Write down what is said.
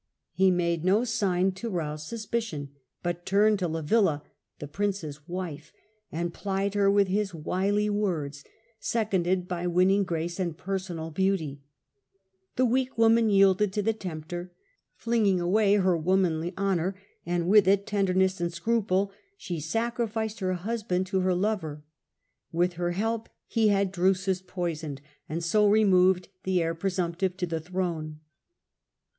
He made no sign to rouse suspicion, but turned to Livilla, the prince's wife, and plied her with his wily words, seconded by winning grace and personal Seduced beauty. The weak woman yielded to the Livilla, tempter. Flinging away her womanly honour, and with it tenderness and scruple, she sacrificed her and poisoned ^^sband to her lover. With her help he had Drusus, Drusus poisoned, and so removed the heir presumptive to the throne.